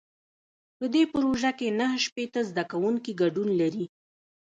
په دې پروژه کې نهه شپېته زده کوونکي ګډون لري.